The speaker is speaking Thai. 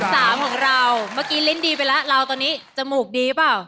สามของเราเมื่อกี้ลิ้นดีไปแล้วเราตอนนี้จมูกดีเปล่า